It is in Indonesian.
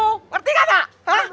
ngerti gak nak